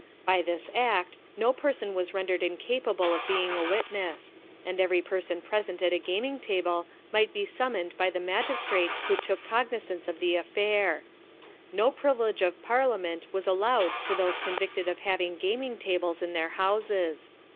By this act, no person was rendered incapable of being a witness ; and every person present at a gaming table might be summoned by the magistrate who took cognisance of the affair. No privilege of parliament was allowed to those convicted of having gaming tables in their houses.